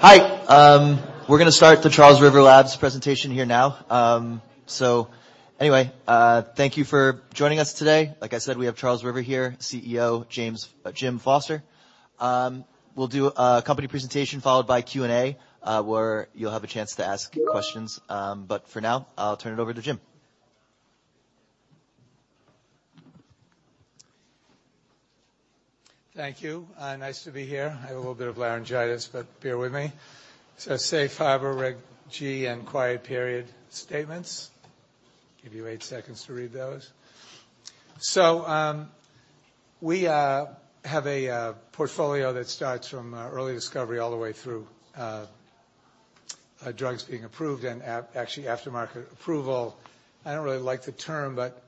Hi. We're gonna start the Charles River Labs presentation here now. Anyway, thank you for joining us today. Like I said, we have Charles River here, CEO Jim Foster. We'll do a company presentation followed by Q&A, where you'll have a chance to ask questions. For now, I'll turn it over to Jim. Thank you. Nice to be here. I have a little bit of laryngitis, but bear with me. Safe Harbor Reg G and quiet period statements. Give you eight seconds to read those. We have a portfolio that starts from early discovery all the way through drugs being approved and actually after market approval. I don't really like the term, but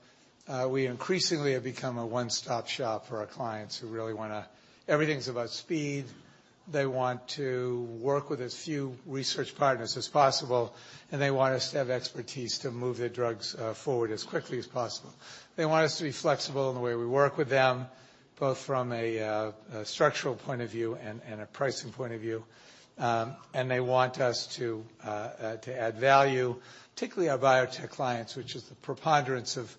we increasingly have become a one-stop shop for our clients who really wanna. Everything's about speed. They want to work with as few research partners as possible, and they want us to have expertise to move the drugs forward as quickly as possible. They want us to be flexible in the way we work with them, both from a structural point of view and a pricing point of view. They want us to add value, particularly our biotech clients, which is the preponderance of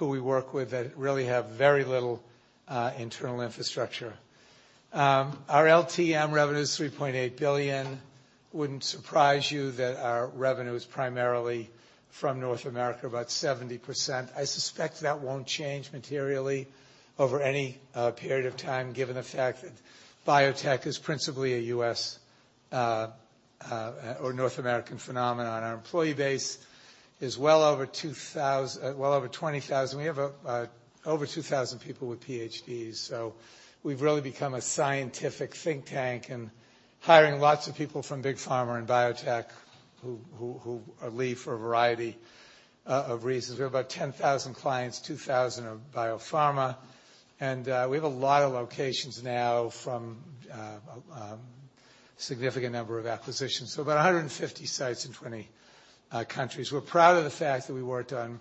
who we work with that really have very little internal infrastructure. Our LTM revenue is $3.8 billion. Wouldn't surprise you that our revenue is primarily from North America, about 70%. I suspect that won't change materially over any period of time, given the fact that biotech is principally a U.S. or North American phenomenon. Our employee base is well over 20,000. We have over 2,000 people with PhDs, so we've really become a scientific think tank and hiring lots of people from big pharma and biotech who leave for a variety of reasons. We have about 10,000 clients, 2,000 are biopharma. We have a lot of locations now from significant number of acquisitions, so about 150 sites in 20 countries. We're proud of the fact that we worked on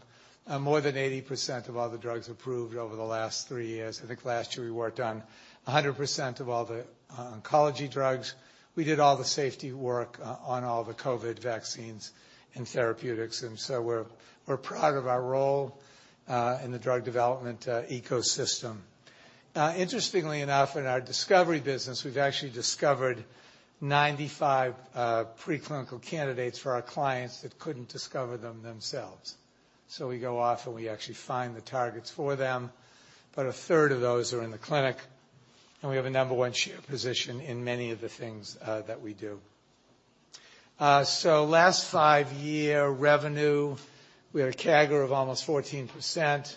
more than 80% of all the drugs approved over the last three years. I think last year we worked on 100% of all the oncology drugs. We did all the safety work on all the COVID vaccines and therapeutics, we're proud of our role in the drug development ecosystem. Interestingly enough, in our discovery business, we've actually discovered 95 preclinical candidates for our clients that couldn't discover them themselves. We go off, and we actually find the targets for them, but a third of those are in the clinic, and we have a number one position in many of the things that we do. Last five-year revenue, we had a CAGR of almost 14%,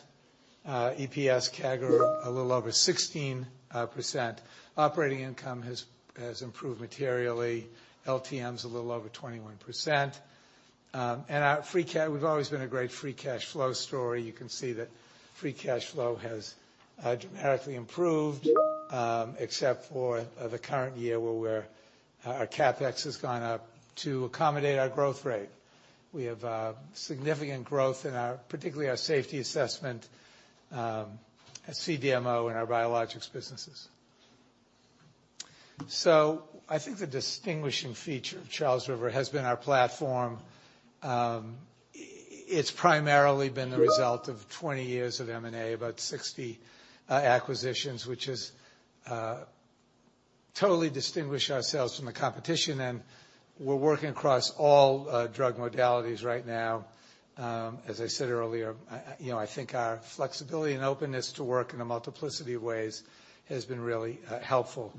EPS CAGR a little over 16%. Operating income has improved materially. LTM's a little over 21%. Our free we've always been a great free cash flow story. You can see that free cash flow has dramatically improved, except for the current year, where our CapEx has gone up to accommodate our growth rate. We have significant growth in our, particularly our safety assessment, CDMO and our biologics businesses. I think the distinguishing feature of Charles River has been our platform. It's primarily been the result of 20 years of M&A, about 60 acquisitions, which has totally distinguished ourselves from the competition. We're working across all drug modalities right now. As I said earlier, you know, I think our flexibility and openness to work in a multiplicity of ways has been really helpful.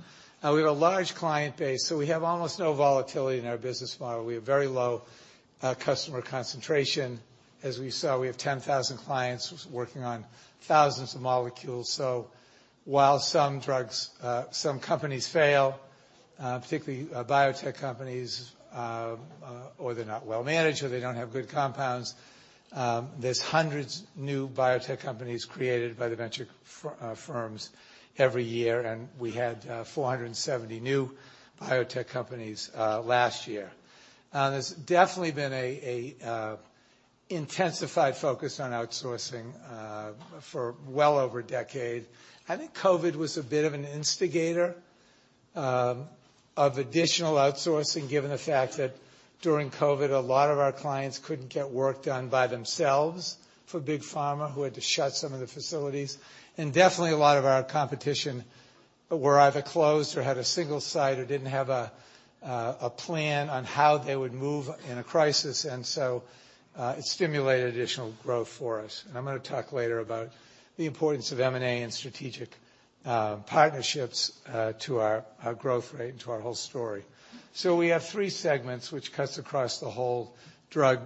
We have a large client base. We have almost no volatility in our business model. We have very low customer concentration. As we saw, we have 10,000 clients working on thousands of molecules. While some drugs, some companies fail, particularly biotech companies, or they're not well managed, or they don't have good compounds, there's hundreds of new biotech companies created by the venture firms every year. We had 470 new biotech companies last year. There's definitely been an intensified focus on outsourcing for well over a decade. I think COVID was a bit of an instigator of additional outsourcing, given the fact that during COVID, a lot of our clients couldn't get work done by themselves for big pharma, who had to shut some of the facilities. Definitely a lot of our competition were either closed or had a single site or didn't have a plan on how they would move in a crisis. It stimulated additional growth for us. I'm gonna talk later about the importance of M&A and strategic partnerships to our growth rate and to our whole story. We have three segments which cuts across the whole drug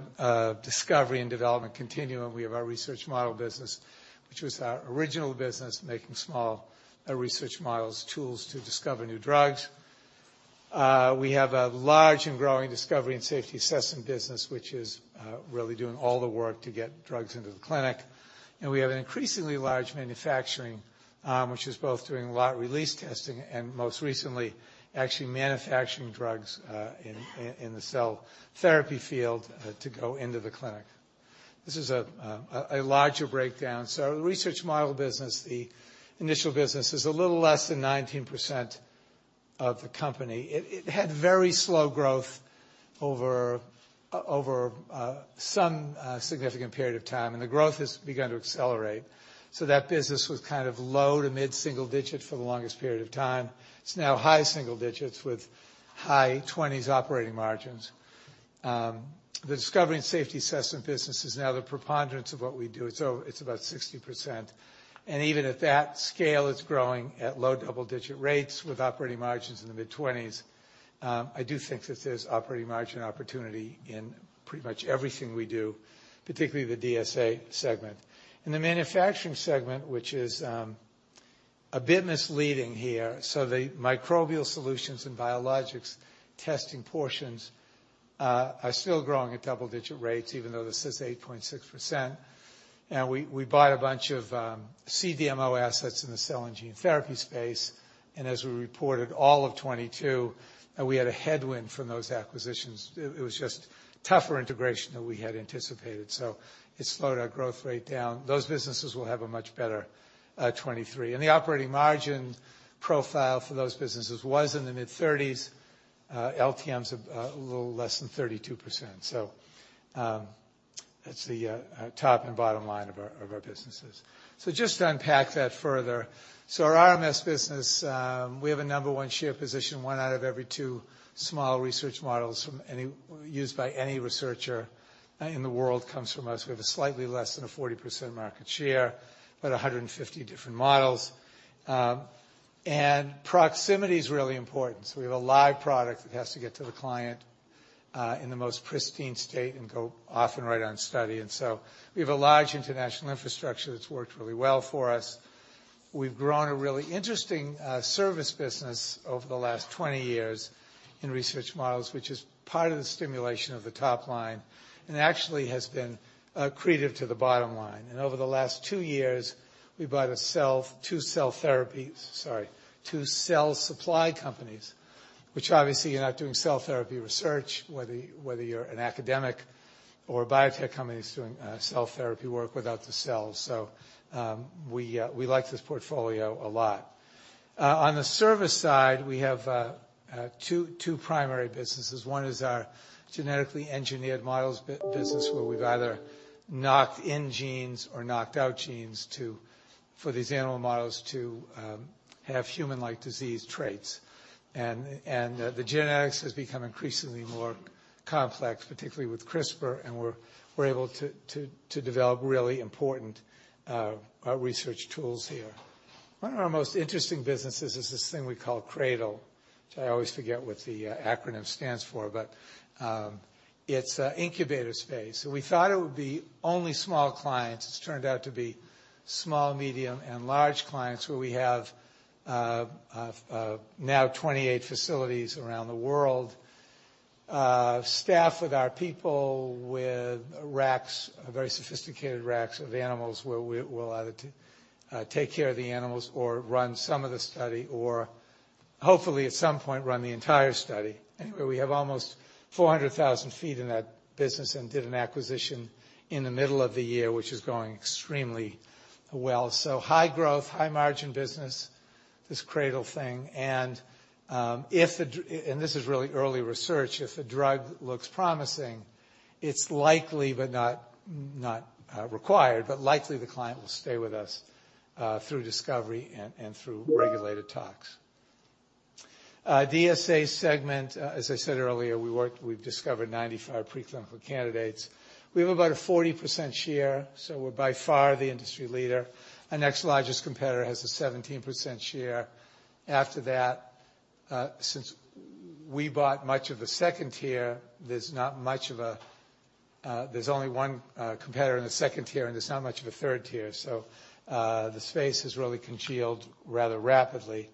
discovery and development continuum. We have our research model business, which was our original business, making small research models, tools to discover new drugs. We have a large and growing discovery and safety assessment business, which is really doing all the work to get drugs into the clinic. We have an increasingly large manufacturing, which is both doing lot release testing and most recently actually manufacturing drugs in the cell therapy field to go into the clinic. This is a larger breakdown. The research model business, the initial business is a little less than 19% of the company. It had very slow growth over some significant period of time, and the growth has begun to accelerate. That business was kind of low to mid-single digit for the longest period of time. It's now high single digits with high 20s operating margins. The discovery and safety assessment business is now the preponderance of what we do, so it's about 60%. Even at that scale, it's growing at low double-digit rates with operating margins in the mid-20s. I do think that there's operating margin opportunity in pretty much everything we do, particularly the DSA segment. In the manufacturing segment, which is a bit misleading here. The microbial solutions and biologics testing portions are still growing at double-digit rates even though this is 8.6%. We bought a bunch of CDMO assets in the cell and gene therapy space, and as we reported all of 2022, we had a headwind from those acquisitions. It was just tougher integration than we had anticipated, so it slowed our growth rate down. Those businesses will have a much better 2023. The operating margin profile for those businesses was in the mid-30s, LTMs of a little less than 32%. That's the top and bottom line of our businesses. Just to unpack that further. Our RMS business, we have a number one share position, one out of every two small research models used by any researcher in the world comes from us. We have a slightly less than a 40% market share, about 150 different models. Proximity is really important. We have a live product that has to get to the client in the most pristine state and go off and right on study. We have a large international infrastructure that's worked really well for us. We've grown a really interesting service business over the last 20 years in research models, which is part of the stimulation of the top line, and actually has been creative to the bottom line. Over the last two years, we bought two cell supply companies, which obviously you're not doing cell therapy research, whether you're an academic or a biotech company that's doing cell therapy work without the cells. We like this portfolio a lot. On the service side, we have two primary businesses. One is our genetically engineered models bi-business where we've either knocked in genes or knocked out genes to, for these animal models to have human-like disease traits. The genetics has become increasingly more complex, particularly with CRISPR, and we're able to develop really important research tools here. One of our most interesting businesses is this thing we call CRADL, which I always forget what the acronym stands for, but it's an incubator space. We thought it would be only small clients. It's turned out to be small, medium, and large clients, where we have now 28 facilities around the world, staffed with our people, with racks, very sophisticated racks of animals, where we'll either take care of the animals or run some of the study or hopefully at some point run the entire study. We have almost 400,000 feet in that business and did an acquisition in the middle of the year, which is going extremely well. High growth, high margin business, this CRADL thing. This is really early research. If the drug looks promising, it's likely but not required, but likely the client will stay with us through discovery and through regulated talks. DSA segment, as I said earlier, we've discovered 95 preclinical candidates. We have about a 40% share, so we're by far the industry leader. Our next largest competitor has a 17% share after that. Since we bought much of the second tier, there's not much of a, there's only one competitor in the second tier, and there's not much of a third tier. The space has really congealed rather rapidly.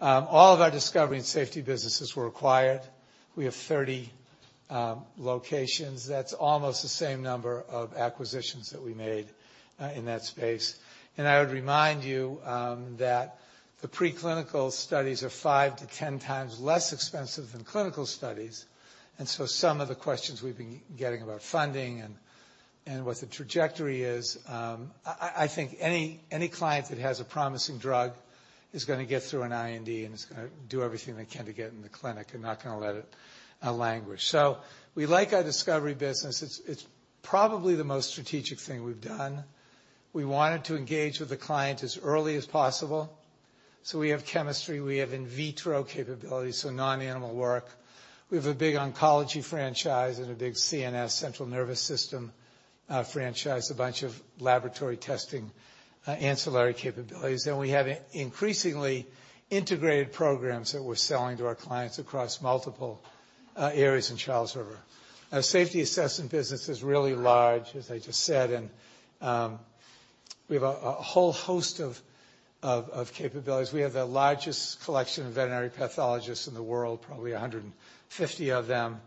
All of our discovery and safety businesses were acquired. We have 30 locations. That's almost the same number of acquisitions that we made in that space. I would remind you that the preclinical studies are five to 10 times less expensive than clinical studies. Some of the questions we've been getting about funding and what the trajectory is, I think any client that has a promising drug is gonna get through an IND and is gonna do everything they can to get in the clinic. They're not gonna let it languish. We like our discovery business. It's probably the most strategic thing we've done. We wanted to engage with the client as early as possible. We have chemistry, we have in vitro capabilities, so non-animal work. We have a big oncology franchise and a big CNS, central nervous system, franchise, a bunch of laboratory testing, ancillary capabilities. We have increasingly integrated programs that we're selling to our clients across multiple areas in Charles River. Our safety assessment business is really large, as I just said, and we have a whole host of capabilities. We have the largest collection of veterinary pathologists in the world, probably 150 of them.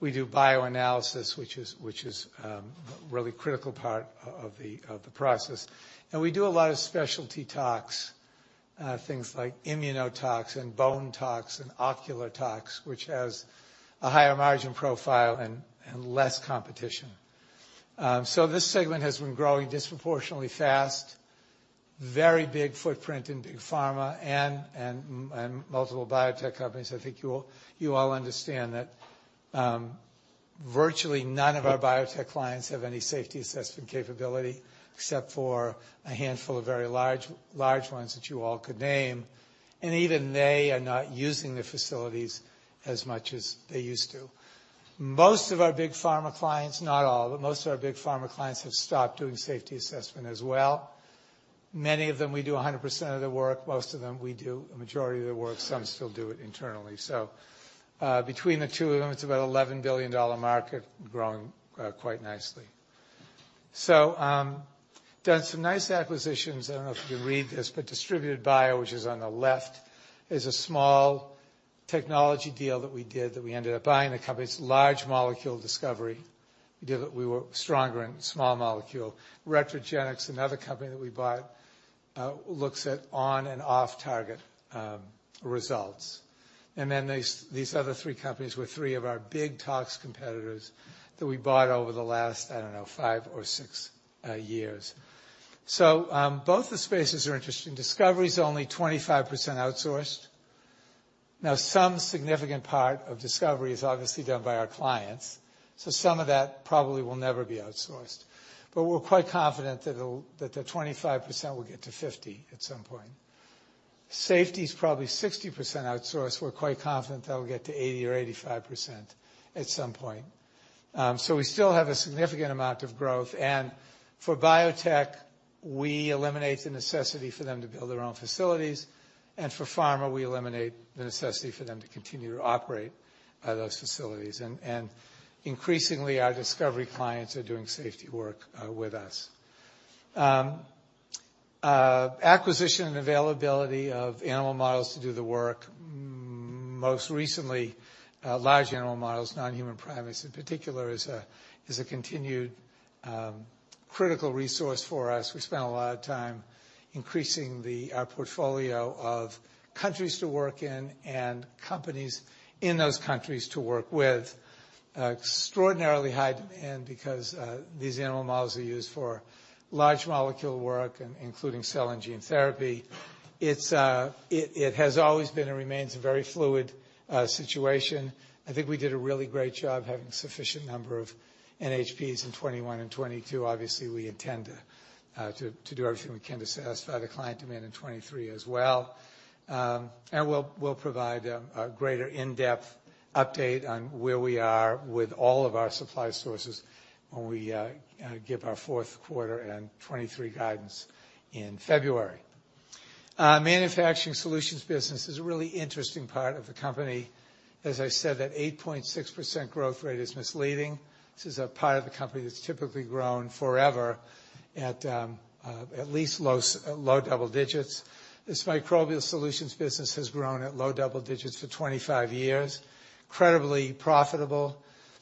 We do bioanalysis, which is really critical part of the process. We do a lot of specialty talks. Things like immunotox and bone tox and ocular tox, which has a higher margin profile and less competition. This segment has been growing disproportionately fast, very big footprint in big pharma and multiple biotech companies. I think you all understand that, virtually none of our biotech clients have any safety assessment capability except for a handful of very large ones that you all could name, and even they are not using the facilities as much as they used to. Most of our big pharma clients, not all, but most of our big pharma clients have stopped doing safety assessment as well. Many of them, we do 100% of the work. Most of them, we do a majority of the work. Some still do it internally. Between the two of them, it's about a $11 billion market growing quite nicely. Done some nice acquisitions. I don't know if you can read this, but Distributed Bio, which is on the left, is a small technology deal that we did that we ended up buying the company. It's large molecule discovery. We were stronger in small molecule. Retrogenix, another company that we bought, looks at on and off-target results. These other three companies were three of our big tox competitors that we bought over the last, I don't know, five or six years. Both the spaces are interesting. Discovery is only 25% outsourced. Some significant part of discovery is obviously done by our clients, so some of that probably will never be outsourced. We're quite confident that the 25% will get to 50 at some point. Safety is probably 60% outsourced. We're quite confident that'll get to 80% or 85% at some point. We still have a significant amount of growth. For biotech, we eliminate the necessity for them to build their own facilities. For pharma, we eliminate the necessity for them to continue to operate those facilities. Increasingly, our discovery clients are doing safety work with us. Acquisition and availability of animal models to do the work, most recently, large animal models, non-human primates in particular, is a continued critical resource for us. We spend a lot of time increasing the portfolio of countries to work in and companies in those countries to work with. Extraordinarily high demand because these animal models are used for large molecule work, including cell and gene therapy. It has always been and remains a very fluid situation. I think we did a really great job having sufficient number of NHPs in 2021 and 2022. Obviously, we intend to do everything we can to satisfy the client demand in 2023 as well. We'll provide a greater in-depth update on where we are with all of our supply sources when we give our fourth quarter and 2023 guidance in February. Manufacturing solutions business is a really interesting part of the company. As I said, that 8.6% growth rate is misleading. This is a part of the company that's typically grown forever at at least low double digits. This microbial solutions business has grown at low double digits for 25 years, credibly profitable.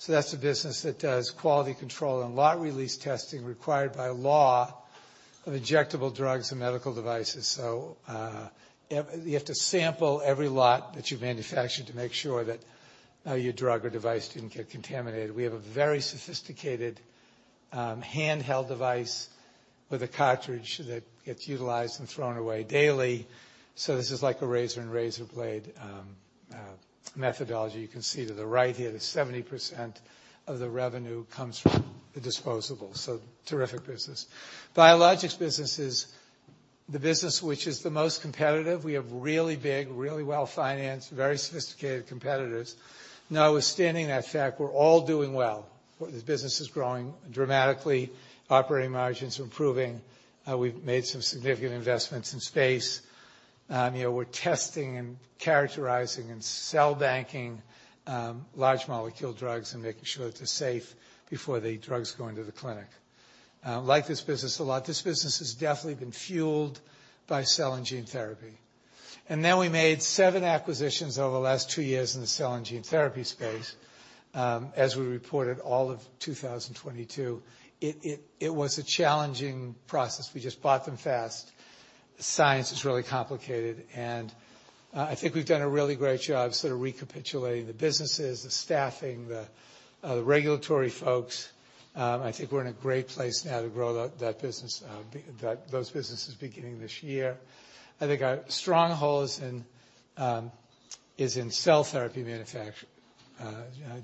That's the business that does quality control and lot release testing required by law of injectable drugs and medical devices. You have to sample every lot that you manufacture to make sure that your drug or device didn't get contaminated. We have a very sophisticated handheld device with a cartridge that gets utilized and thrown away daily. This is like a razor and razor blade methodology. You can see to the right here, that 70% of the revenue comes from the disposables. Terrific business. Biologics business is the business which is the most competitive. We have really big, really well-financed, very sophisticated competitors. Notwithstanding that fact, we're all doing well. This business is growing dramatically. Operating margins are improving. We've made some significant investments in space. You know, we're testing and characterizing and cell banking large molecule drugs and making sure that they're safe before the drugs go into the clinic. Like this business a lot. This business has definitely been fueled by cell and gene therapy. Now we made seven acquisitions over the last two years in the cell and gene therapy space. As we reported all of 2022, it was a challenging process. We just bought them fast. The science is really complicated, I think we've done a really great job sort of recapitulating the businesses, the staffing, the regulatory folks. I think we're in a great place now to grow that business, those businesses beginning this year. I think our strong holes in is in cell therapy manufacturing,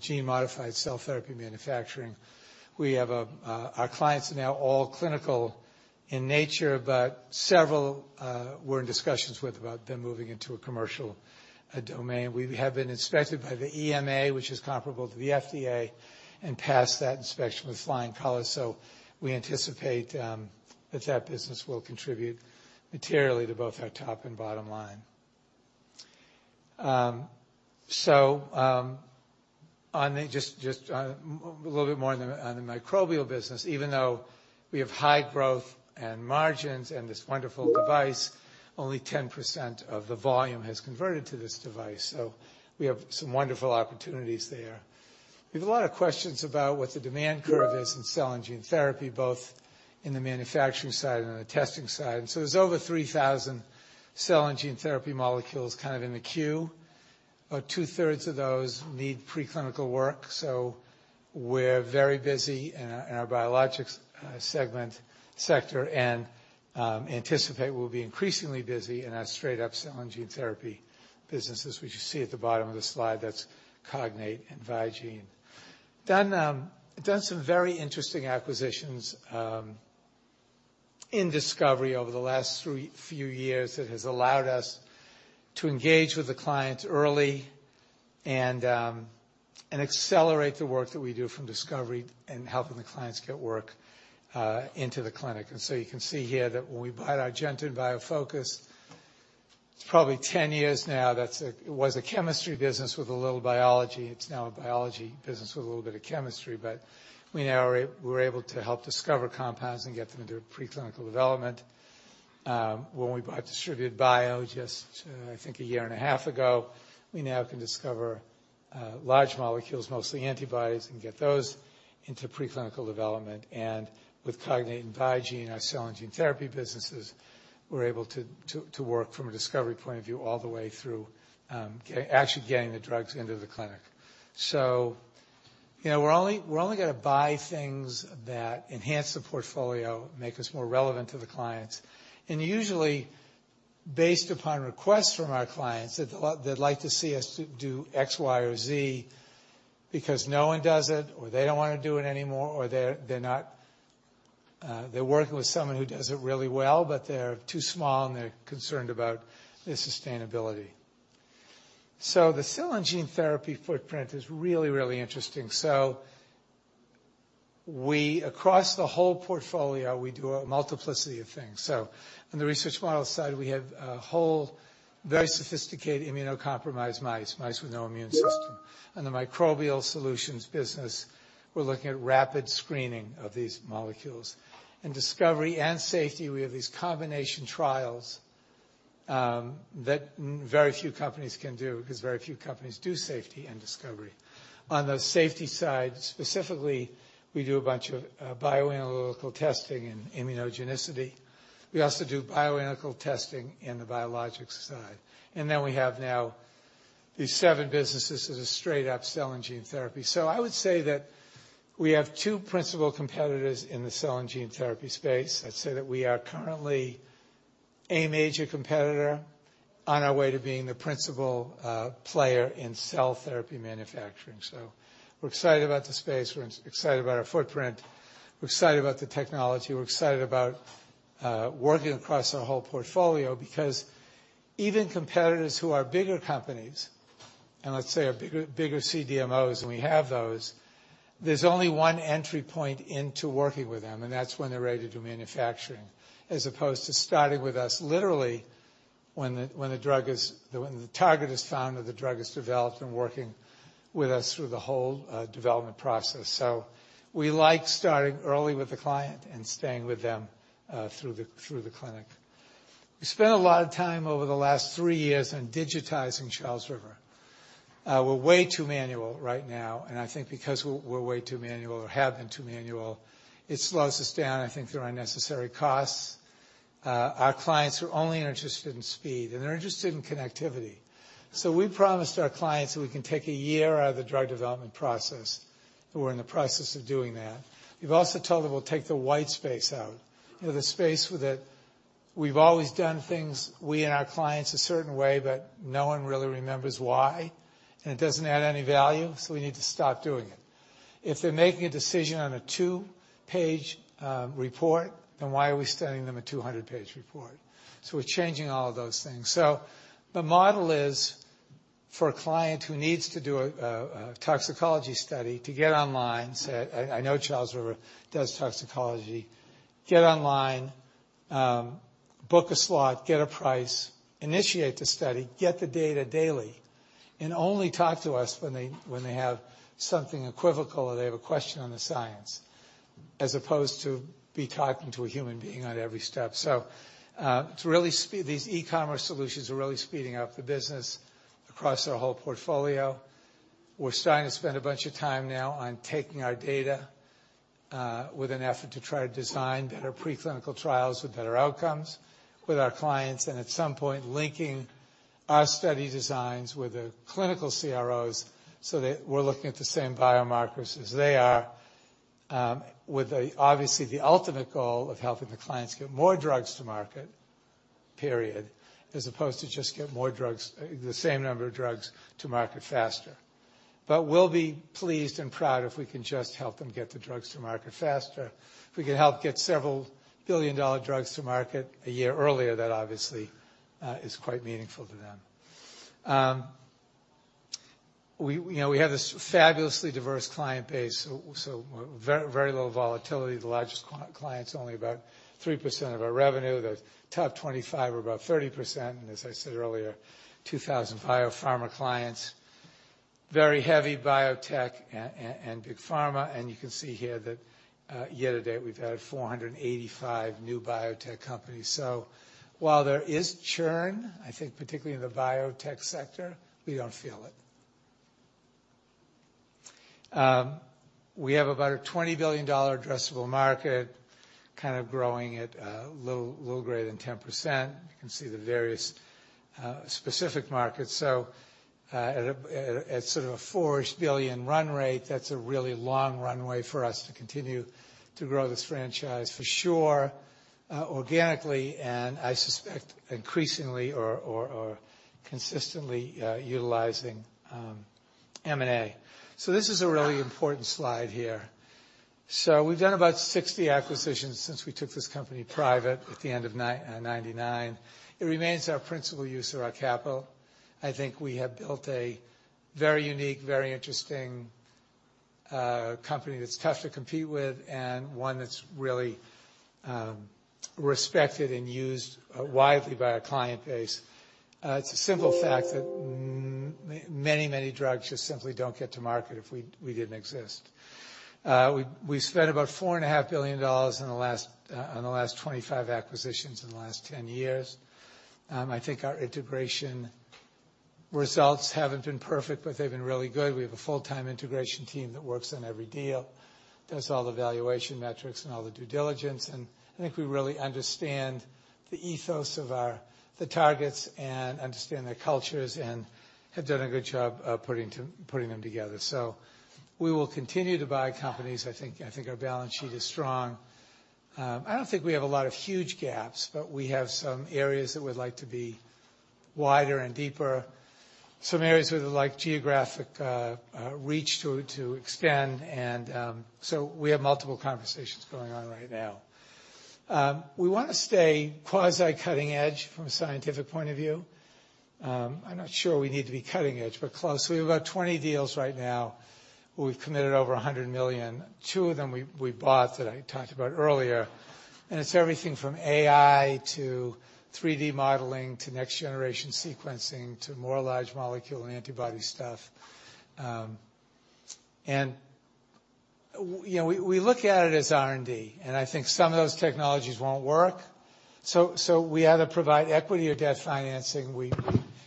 gene modified cell therapy manufacturing. We have our clients are now all clinical in nature, but several we're in discussions with about them moving into a commercial domain. We have been inspected by the EMA, which is comparable to the FDA, and passed that inspection with flying colors. We anticipate that that business will contribute materially to both our top and bottom line. Just a little bit more on the microbial business. Even though we have high growth and margins and this wonderful device, only 10% of the volume has converted to this device. We have some wonderful opportunities there. We have a lot of questions about what the demand curve is in cell and gene therapy, both in the manufacturing side and on the testing side. There's over 3,000 cell and gene therapy molecules kind of in the queue. About two-thirds of those need preclinical work. We're very busy in our, in our biologics sector, anticipate we'll be increasingly busy in our straight up cell and gene therapy businesses which you see at the bottom of the slide, that's Cognate and Vigene. Done some very interesting acquisitions in discovery over the last few years that has allowed us to engage with the clients early and accelerate the work that we do from discovery and helping the clients get work into the clinic. You can see here that when we bought Argenta and BioFocus, it's probably 10 years now, it was a chemistry business with a little biology. It's now a biology business with a little bit of chemistry. We're able to help discover compounds and get them into preclinical development. When we bought Distributed Bio just, I think a year and a half ago, we now can discover large molecules, mostly antibodies, and get those into preclinical development. With Cognate and Vigene, our cell and gene therapy businesses, we're able to work from a discovery point of view all the way through actually getting the drugs into the clinic. You know, we're only gonna buy things that enhance the portfolio, make us more relevant to the clients, and usually based upon requests from our clients that they'd like to see us do X, Y, or Z because no one does it, or they don't wanna do it anymore, or they're not, they're working with someone who does it really well, but they're too small, and they're concerned about the sustainability. The cell and gene therapy footprint is really, really interesting. Across the whole portfolio, we do a multiplicity of things. On the research model side, we have a whole very sophisticated immunocompromised mice with no immune system. On the microbial solutions business, we're looking at rapid screening of these molecules. In discovery and safety, we have these combination trials that very few companies can do because very few companies do safety and discovery. On the safety side, specifically, we do a bunch of bioanalytical testing and immunogenicity. We also do bioanalytical testing in the biologics side. We have now these seven businesses as a straight-up cell and gene therapy. I would say that we have two principal competitors in the cell and gene therapy space. I'd say that we are currently a major competitor on our way to being the principal player in cell therapy manufacturing. We're excited about the space. We're excited about our footprint. We're excited about the technology. We're excited about working across our whole portfolio because even competitors who are bigger companies, and let's say are bigger CDMOs, and we have those, there's only one entry point into working with them, and that's when they're ready to do manufacturing, as opposed to starting with us literally when the target is found or the drug is developed and working with us through the whole development process. We like starting early with the client and staying with them through the clinic. We spent a lot of time over the last three years on digitizing Charles River. We're way too manual right now, I think because we're way too manual or have been too manual, it slows us down. I think there are unnecessary costs. Our clients are only interested in speed. They're interested in connectivity. We promised our clients that we can take a year out of the drug development process. We're in the process of doing that. We've also told them we'll take the white space out. You know, the space with it we've always done things, we and our clients, a certain way. No one really remembers why. It doesn't add any value. We need to stop doing it. If they're making a decision on a two-page report, why are we sending them a 200-page report? We're changing all of those things. The model is for a client who needs to do a toxicology study to get online, say, "I know Charles River does toxicology," get online, book a slot, get a price, initiate the study, get the data daily, and only talk to us when they have something equivocal or they have a question on the science, as opposed to be talking to a human being on every step. To really these e-commerce solutions are really speeding up the business across our whole portfolio. We're starting to spend a bunch of time now on taking our data, with an effort to try to design better preclinical trials with better outcomes with our clients, and at some point, linking our study designs with the clinical CROs so that we're looking at the same biomarkers as they are, with the, obviously, the ultimate goal of helping the clients get more drugs to market, period. As opposed to just get more drugs, the same number of drugs to market faster. We'll be pleased and proud if we can just help them get the drugs to market faster. If we can help get several billion-dollar drugs to market a year earlier, that obviously is quite meaningful to them. We, you know, we have this fabulously diverse client base, so very little volatility. The largest clients, only about 3% of our revenue. The top 25 are about 30%. As I said earlier, 2,000 biopharma clients. Very heavy biotech and big pharma. You can see here that year to date, we've added 485 new biotech companies. While there is churn, I think particularly in the biotech sector, we don't feel it. We have about a $20 billion addressable market, kind of growing at little greater than 10%. You can see the various specific markets. At a $4-ish billion run rate, that's a really long runway for us to continue to grow this franchise for sure, organically, and I suspect increasingly or consistently utilizing M&A. This is a really important slide here. We've done about 60 acquisitions since we took this company private at the end of 99. It remains our principal use of our capital. I think we have built a very unique, very interesting company that's tough to compete with and one that's really respected and used widely by our client base. It's a simple fact that many, many drugs just simply don't get to market if we didn't exist. We spent about four and a half billion dollars in the last on the last 25 acquisitions in the last 10 years. I think our integration results haven't been perfect, but they've been really good. We have a full-time integration team that works on every deal, does all the valuation metrics and all the due diligence, and I think we really understand the ethos of the targets and understand their cultures and have done a good job of putting them together. We will continue to buy companies. I think our balance sheet is strong. I don't think we have a lot of huge gaps, but we have some areas that we'd like to be wider and deeper, some areas with like geographic reach to extend and, we have multiple conversations going on right now. We wanna stay quasi cutting edge from a scientific point of view. I'm not sure we need to be cutting edge, but close. We have about 20 deals right now, where we've committed over $100 million. Two of them we bought that I talked about earlier. It's everything from AI to 3D modeling, to next generation sequencing, to more large molecule and antibody stuff. And we look at it as R&D, and I think some of those technologies won't work. We either provide equity or debt financing.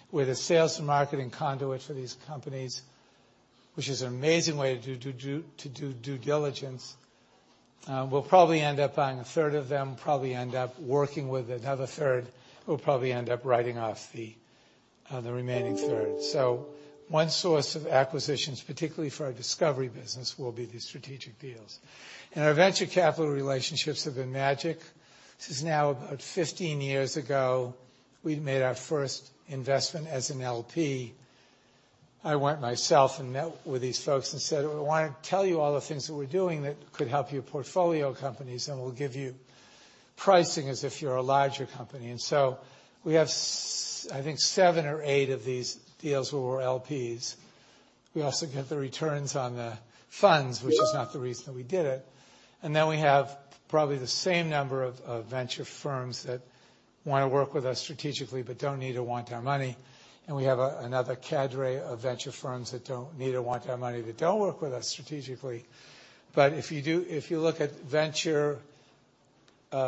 We're the sales and marketing conduit for these companies, which is an amazing way to do due diligence. We'll probably end up buying a third of them, probably end up working with another third, we'll probably end up writing off the remaining third. One source of acquisitions, particularly for our discovery business, will be the strategic deals. Our venture capital relationships have been magic. This is now about 15 years ago, we made our first investment as an LP. I went myself and met with these folks and said, "I wanna tell you all the things that we're doing that could help your portfolio companies, and we'll give you pricing as if you're a larger company." We have I think seven or eight of these deals where we're LPs. We also get the returns on the funds, which is not the reason we did it. We have probably the same number of venture firms that wanna work with us strategically but don't need or want our money. We have another cadre of venture firms that don't need or want our money, that don't work with us strategically. If you look at venture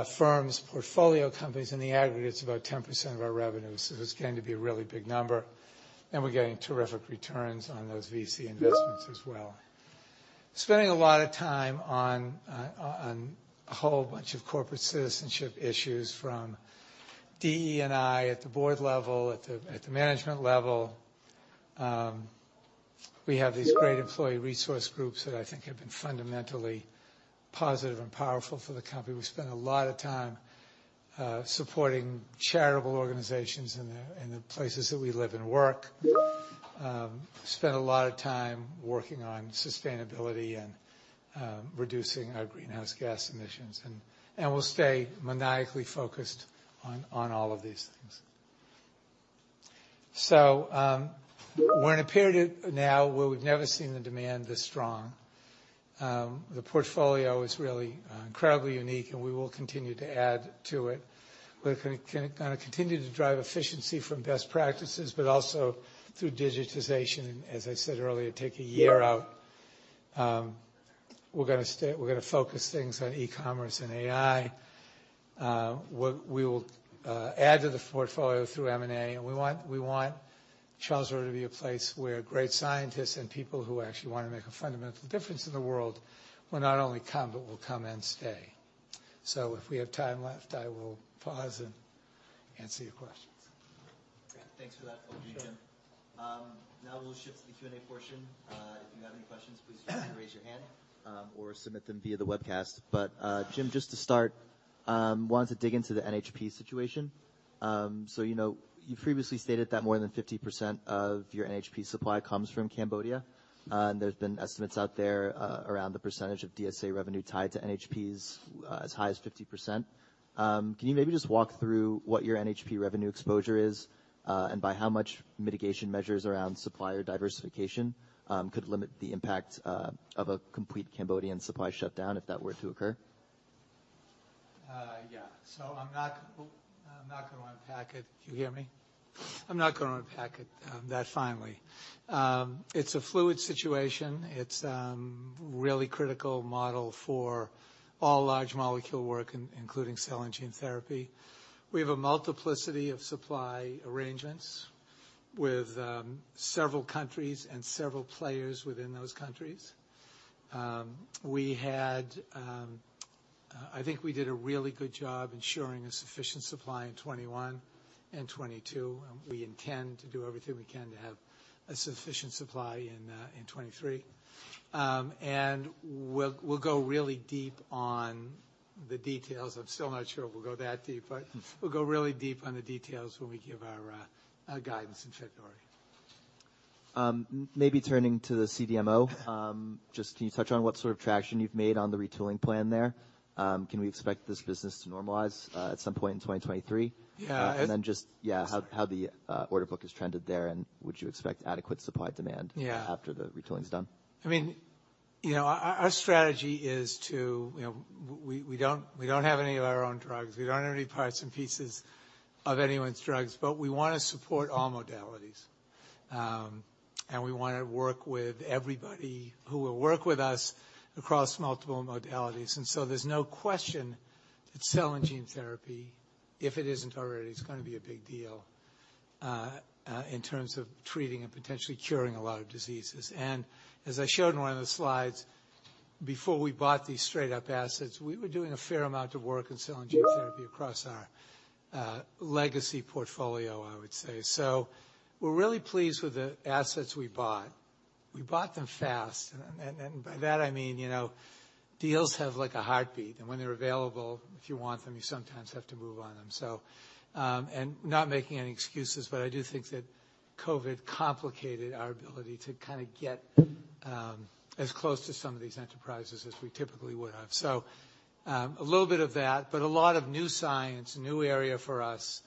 firm's portfolio companies in the aggregate, it's about 10% of our revenue. It's going to be a really big number, and we're getting terrific returns on those VC investments as well. Spending a lot of time on a whole bunch of corporate citizenship issues from DE&I at the board level, at the management level. We have these great employee resource groups that I think have been fundamentally positive and powerful for the company. We spend a lot of time supporting charitable organizations in the places that we live and work. Spend a lot of time working on sustainability and reducing our greenhouse gas emissions, and we'll stay maniacally focused on all of these things. We're in a period now where we've never seen the demand this strong. The portfolio is really incredibly unique, and we will continue to add to it. We're gonna continue to drive efficiency from best practices, but also through digitization, as I said earlier, take a year out. We're gonna focus things on e-commerce and AI. We'll, we will add to the portfolio through M&A. We want, we want Charles River to be a place where great scientists and people who actually wanna make a fundamental difference in the world will not only come, but will come and stay. If we have time left, I will pause and answer your questions. Thanks for that overview, Jim. Now we'll shift to the Q&A portion. If you have any questions, please feel free to raise your hand or submit them via the webcast. Jim, just to start, wanted to dig into the NHP situation. So, you know, you previously stated that more than 50% of your NHP supply comes from Cambodia, and there's been estimates out there, around the percentage of DSA revenue tied to NHPs, as high as 50%. Can you maybe just walk through what your NHP revenue exposure is, and by how much mitigation measures around supplier diversification, could limit the impact, of a complete Cambodian supply shutdown, if that were to occur? Yeah. I'm not, I'm not gonna unpack it. Can you hear me? I'm not gonna unpack it, that finely. It's a fluid situation. It's really critical model for all large molecule work, including cell and gene therapy. We have a multiplicity of supply arrangements with several countries and several players within those countries. We had, I think we did a really good job ensuring a sufficient supply in 2021 and 2022. We intend to do everything we can to have a sufficient supply in 2023. We'll go really deep on the details. I'm still not sure we'll go that deep, but we'll go really deep on the details when we give our guidance in February. Maybe turning to the CDMO, just can you touch on what sort of traction you've made on the retooling plan there? Can we expect this business to normalize at some point in 2023? Yeah. Just, yeah, how the order book has trended there, and would you expect adequate supply-demand? Yeah. After the retooling's done? I mean, you know, our strategy is to, you know, we don't have any of our own drugs. We don't have any parts and pieces of anyone's drugs, but we wanna support all modalities. We wanna work with everybody who will work with us across multiple modalities. There's no question that cell and gene therapy, if it isn't already, is gonna be a big deal in terms of treating and potentially curing a lot of diseases. As I showed in one of the slides, before we bought these straight up assets, we were doing a fair amount of work in cell and gene therapy across our legacy portfolio, I would say. We're really pleased with the assets we bought. We bought them fast, and by that I mean, you know, deals have like a heartbeat, and when they're available, if you want them, you sometimes have to move on them. And not making any excuses, but I do think that COVID complicated our ability to kinda get as close to some of these enterprises as we typically would have. A little bit of that, but a lot of new science, a new area for us,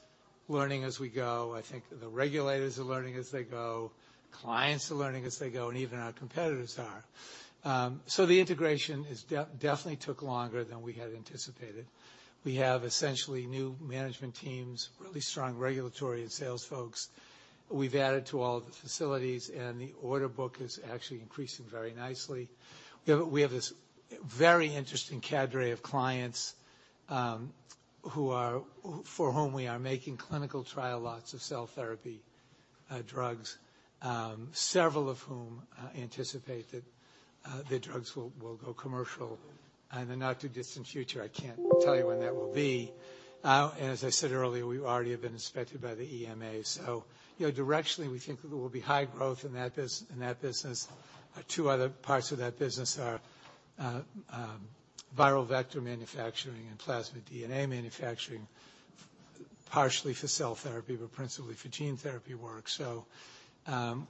learning as we go. I think the regulators are learning as they go, clients are learning as they go, and even our competitors are. The integration is definitely took longer than we had anticipated. We have essentially new management teams, really strong regulatory and sales folks we've added to all of the facilities, and the order book is actually increasing very nicely. We have this very interesting cadre of clients, for whom we are making clinical trial lots of cell therapy drugs, several of whom anticipate that their drugs will go commercial in the not too distant future. I can't tell you when that will be. As I said earlier, we already have been inspected by the EMA. You know, directionally, we think there will be high growth in that business. Two other parts of that business are viral vector manufacturing and plasmid DNA manufacturing, partially for cell therapy, but principally for gene therapy work.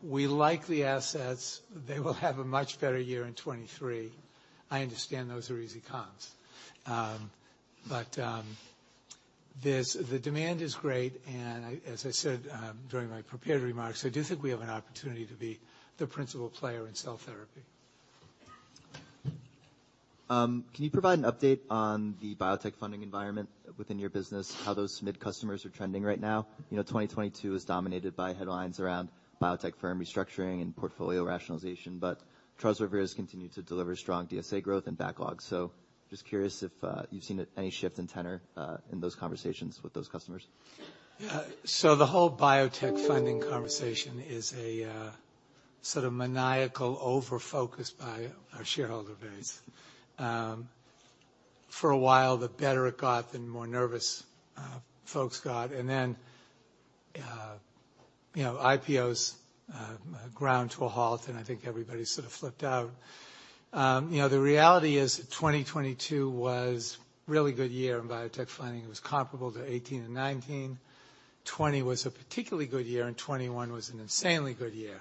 We like the assets. They will have a much better year in 2023. I understand those are easy comms. The demand is great, and as I said, during my prepared remarks, I do think we have an opportunity to be the principal player in cell therapy. Can you provide an update on the biotech funding environment within your business, how those mid customers are trending right now? You know, 2022 is dominated by headlines around biotech firm restructuring and portfolio rationalization. Charles River has continued to deliver strong DSA growth and backlog. Just curious if you've seen any shift in tenor in those conversations with those customers. Yeah. The whole biotech funding conversation is a sort of maniacal over-focus by our shareholder base. For a while, the better it got, the more nervous folks got. You know, IPOs ground to a halt, and I think everybody sort of flipped out. You know, the reality is 2022 was really good year in biotech funding. It was comparable to 2018 and 2019. 2020 was a particularly good year, and 2021 was an insanely good year.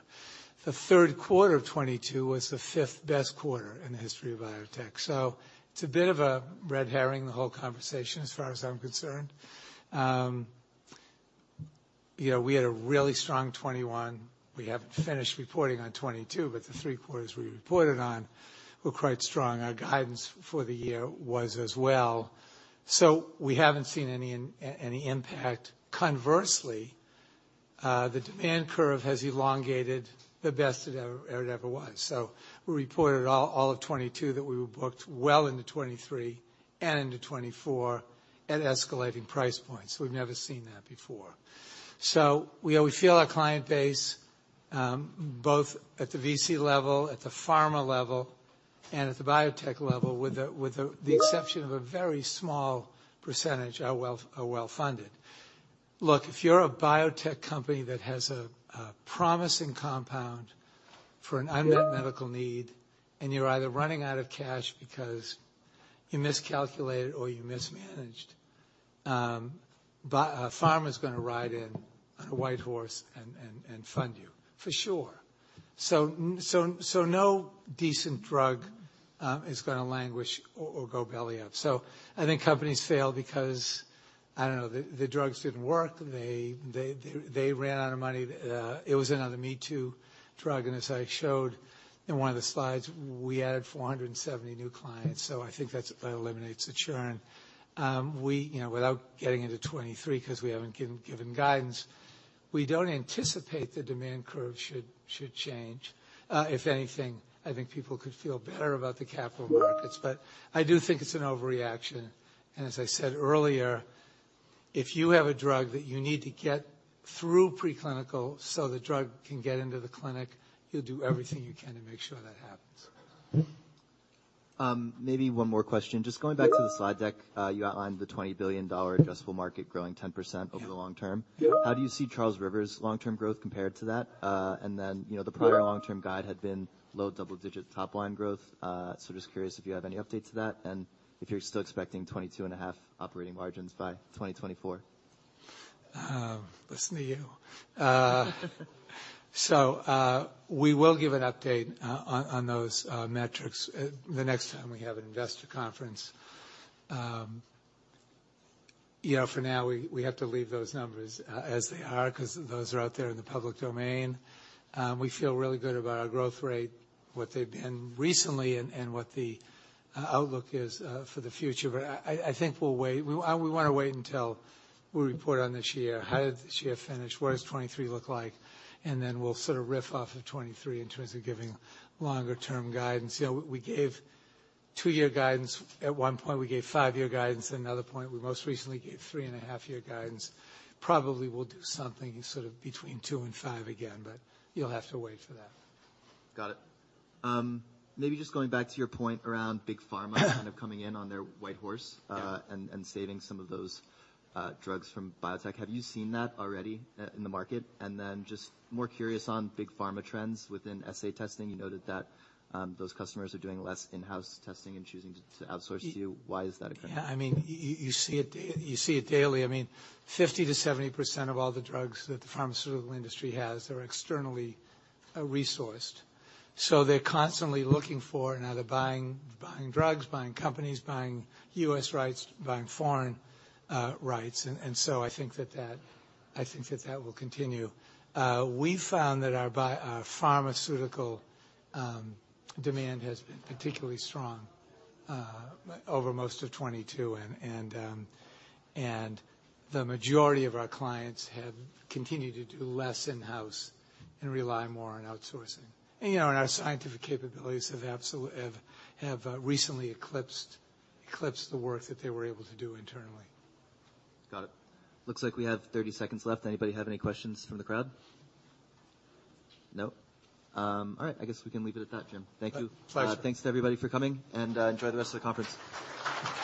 The third quarter of 2022 was the fifth-best quarter in the history of biotech. It's a bit of a red herring, the whole conversation, as far as I'm concerned. You know, we had a really strong 2021. We haven't finished reporting on 2022, but the three quarters we reported on were quite strong. Our guidance for the year was as well. We haven't seen any impact. Conversely, the demand curve has elongated the best it ever was. We reported all of 2022 that we were booked well into 2023 and into 2024 at escalating price points. We've never seen that before. We feel our client base, both at the VC level, at the pharma level, and at the biotech level, with the exception of a very small percentage, are well-funded. Look, if you're a biotech company that has a promising compound for an unmet medical need, and you're either running out of cash because you miscalculated or you mismanaged, a pharma's gonna ride in on a white horse and fund you for sure. No decent drug is gonna languish or go belly up. I think companies fail because, I don't know, the drugs didn't work. They ran out of money. It was another me-too drug. As I showed in one of the slides, we added 470 new clients. I think that eliminates the churn. We, you know, without getting into 2023, because we haven't given guidance, we don't anticipate the demand curve should change. If anything, I think people could feel better about the capital markets. I do think it's an overreaction. As I said earlier, if you have a drug that you need to get through preclinical so the drug can get into the clinic, you'll do everything you can to make sure that happens. Maybe one more question. Just going back to the slide deck, you outlined the $20 billion addressable market growing 10% over the long term. How do you see Charles River's long-term growth compared to that? You know, the prior long-term guide had been low double-digit top line growth. Just curious if you have any update to that, and if you're still expecting 22.5% operating margins by 2024. Will give an update on those metrics the next time we have an investor conference. You know, for now, we have to leave those numbers as they are, 'cause those are out there in the public domain. We feel really good about our growth rate, what they've been recently and what the outlook is for the future. I think we'll wait. We wanna wait until we report on this year, how did the year finish, what does 2023 look like, and then we'll sort of riff off of 2023 in terms of giving longer term guidance. You know, we gave two year guidance at one point, we gave five year guidance at another point. We most recently gave three and a half year guidance. Probably we'll do something sort of between two and five again, but you'll have to wait for that. Got it. maybe just going back to your point around big pharma-, kind of coming in on their white horse and saving some of those drugs from biotech. Have you seen that already in the market? Just more curious on big pharma trends within assay testing. You noted that those customers are doing less in-house testing and choosing to outsource to you. Why is that occurring? Yeah, I mean, you see it daily. I mean, 50%-70% of all the drugs that the pharmaceutical industry has are externally resourced. So they're constantly looking for and either buying drugs, buying companies, buying U.S. rights, buying foreign rights. So I think that will continue. We found that our pharmaceutical demand has been particularly strong over most of 2022. The majority of our clients have continued to do less in-house and rely more on outsourcing. You know, our scientific capabilities have recently eclipsed the work that they were able to do internally. Got it. Looks like we have 30 seconds left. Anybody have any questions from the crowd? No. All right. I guess we can leave it at that, Jim. Thank you. Thanks. Thanks to everybody for coming, and enjoy the rest of the conference.